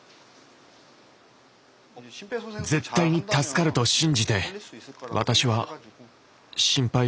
絶対に助かると信じて私は心肺蘇生を続けました。